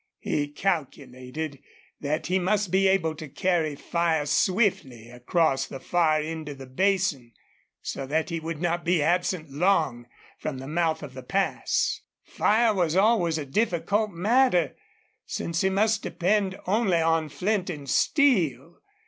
He calculated that he must be able to carry fire swiftly across the far end of the basin, so that he would not be absent long from the mouth of the pass. Fire was always a difficult matter, since he must depend only on flint and steel.